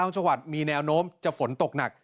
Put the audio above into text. จังหวัดมีแนวโน้มจะฝนตกหนัก